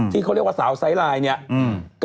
ที่เขาเรียกว่าสาวไทยไลน์